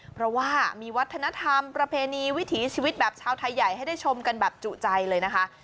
เพราะว่ามีวัฒนธรรมประเพณีวิถีชีวิตแบบชาวไทยใหญ่ให้ได้ชมกันแบบจุใจเลยนะคะ